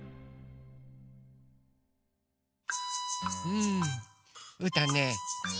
うんうーたんね